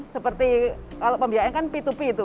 seperti kalau pembiayaan kan p dua p itu